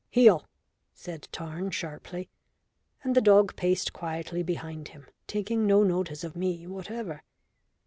"Heel," said Tarn sharply, and the dog paced quietly behind him, taking no notice of me whatever.